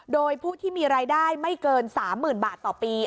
โดยผู้ที่มีรายได้ไม่เกิน๓๐๐๐บาทต่อปี